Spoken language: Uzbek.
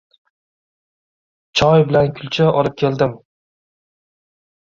Choy bilan kulcha olib keldim.